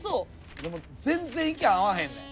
でも全然意見合わへんねん。